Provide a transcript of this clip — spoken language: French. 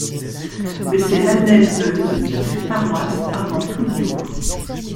Mais c’est Lannelvoez qui fut paroisse avant Plouigneau.